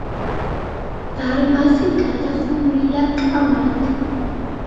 დარბაზი გადახურულია კამარით.